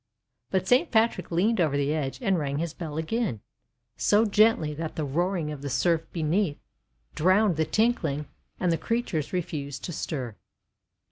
But Saint Patrick leaned over the edge, and rang his bell again, so gently that the roaring of the surf beneath drowned the tinkling, and the creatures refused to stir.